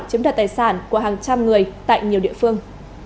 chiếm đoạt tài sản của hàng trăm người tại nhiều địa phương